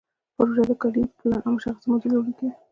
پروژه د کاري پلان او مشخصې مودې لرونکې وي.